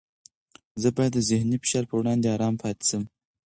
زه باید د ذهني فشار په وړاندې ارام پاتې شم.